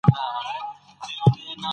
ګلونه به وغوړېږي.